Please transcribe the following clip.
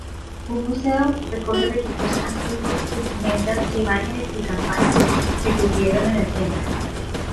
Un museo recoge registros antiguos, vestimentas, imágenes y campanas que sirvieron en el templo.